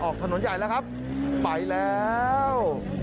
ถนนใหญ่แล้วครับไปแล้ว